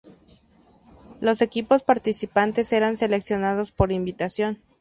Los equipos participantes eran seleccionados por invitación.